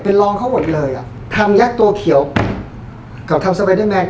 เป็นรองเขาหมดเลยอ่ะทำยักษ์ตัวเขียวเขาทำสไปเดอร์แมน